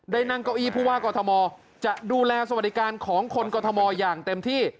นั่งเก้าอี้ผู้ว่ากอทมจะดูแลสวัสดิการของคนกรทมอย่างเต็มที่